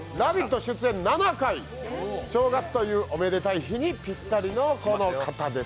出演７回正月というおめでたい日にぴったりのこの方です。